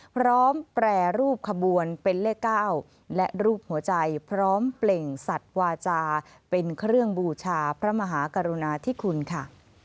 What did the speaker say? แปรรูปขบวนเป็นเลข๙และรูปหัวใจพร้อมเปล่งสัตว์วาจาเป็นเครื่องบูชาพระมหากรุณาธิคุณค่ะ